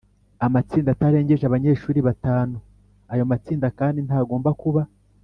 amatsinda atarengeje abanyeshuri batanu. Ayo matsinda kandi ntagomba kuba